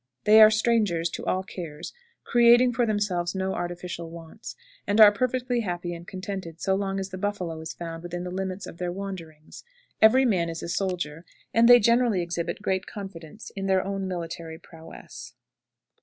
They are strangers to all cares, creating for themselves no artificial wants, and are perfectly happy and contented so long as the buffalo is found within the limits of their wanderings. Every man is a soldier, and they generally exhibit great confidence in their own military prowess.